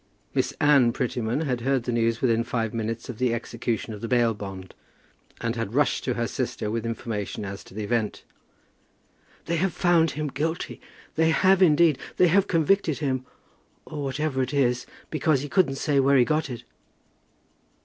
Miss Anne Prettyman had heard the news within five minutes of the execution of the bail bond, and had rushed to her sister with information as to the event. "They have found him guilty; they have, indeed. They have convicted him, or whatever it is, because he couldn't say where he got it."